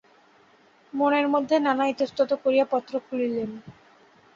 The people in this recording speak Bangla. মনের মধ্যে নানা ইতস্তত করিয়া পত্র খুলিলেন।